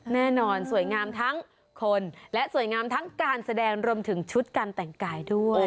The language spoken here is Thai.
แน่นอนสวยงามทั้งคนและสวยงามทั้งการแสดงรวมถึงชุดการแต่งกายด้วย